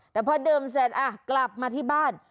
แต่พอดื่มเสร็จกลับมาที่บ้าน